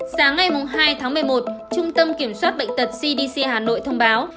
sáng ngày hai tháng một mươi một trung tâm kiểm soát bệnh tật cdc hà nội thông báo